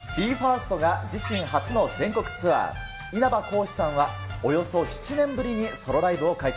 ＢＥ：ＦＩＲＳＴが自身初の全国ツアー、稲葉浩志さんはおよそ７年ぶりにソロライブを開催。